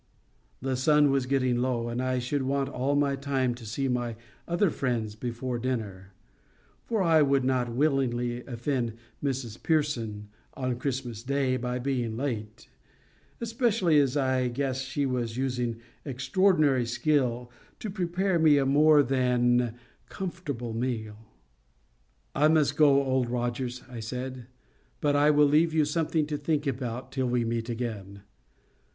The sun was getting low, and I should want all my time to see my other friends before dinner, for I would not willingly offend Mrs Pearson on Christmas Day by being late, especially as I guessed she was using extraordinary skill to prepare me a more than comfortable meal. "I must go, Old Rogers," I said; "but I will leave you something to think about till we meet again.